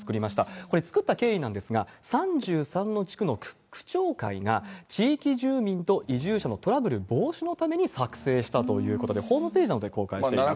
これ、作った経緯なんですが、３３の地区の区長会が、地域住民と移住者のトラブル防止のために作成したということで、ホームページなどで公開しています。